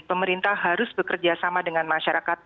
pemerintah harus bekerja sama dengan masyarakat